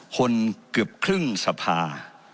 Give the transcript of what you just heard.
เกือบครึ่งสภา